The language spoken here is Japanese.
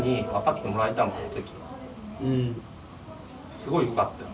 すごいよかったよ。